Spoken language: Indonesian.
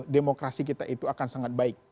demokrasi kita itu akan sangat baik